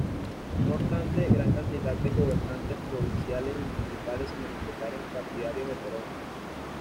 No obstante, gran cantidad de gobernantes provinciales y municipales se manifestaron partidarios de Perón.